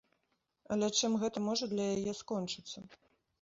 Але чым гэта можа для яе скончыцца?